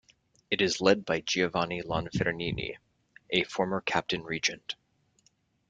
It is led by Giovanni Lonfernini, a former Captain-Regent.